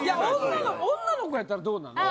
女の女の子やったらどうなの？